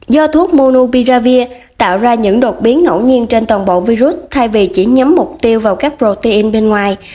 do thuốc monu viravir tạo ra những đột biến ngẫu nhiên trên toàn bộ virus thay vì chỉ nhắm mục tiêu vào các protein bên ngoài